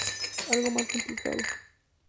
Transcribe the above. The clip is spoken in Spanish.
Algo más complicado.